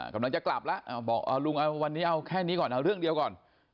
กำลังจะกลับแล้วบอกลุงเอาวันนี้เอาแค่นี้ก่อนเอาเรื่องเดียวก่อน